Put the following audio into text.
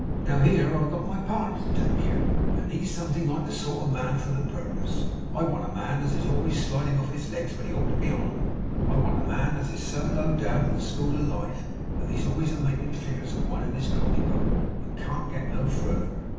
Now here I've got my partner to take care on, and he's something like the sort of man for the purpose. I want a man as is always a sliding off his legs when he ought to be on 'em. I want a man as is so low down in the school of life that he's always a making figures of one in his copy book, and can't get no further.